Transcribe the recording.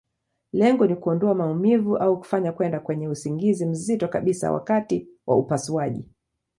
Lengo ni kuondoa maumivu, au kufanya kwenda kwenye usingizi mzito kabisa wakati wa upasuaji.